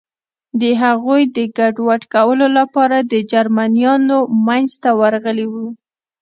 د هغوی د ګډوډ کولو لپاره د جرمنیانو منځ ته ورغلي و.